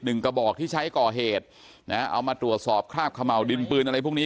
กระบอกที่ใช้ก่อเหตุนะฮะเอามาตรวจสอบคราบขม่าวดินปืนอะไรพวกนี้